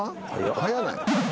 早ない？